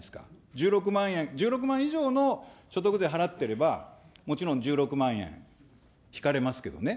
１６万円、１６万以上の所得税払っていれば、もちろん１６万円引かれますけどね。